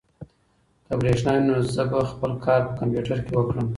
که برېښنا وي، زه به خپل کار په کمپیوټر کې وکړم.